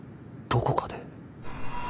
どこかで